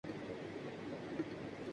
بگڑتے ہوئے حالات کو سنبھالنے کے لیے